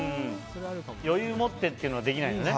余裕を持ってっていうのができないのね。